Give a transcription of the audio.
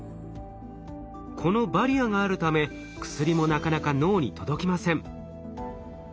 このバリアがあるため薬もなかなか脳に届きません。